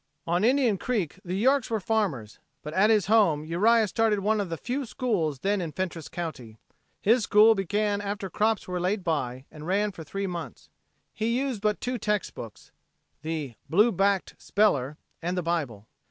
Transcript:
On Indian Creek the Yorks were farmers, but at his home Uriah started one of the few schools then in Fentress county. His school began after crops were laid by and ran for three months. He used but two text books the "blue backed speller" and the Bible.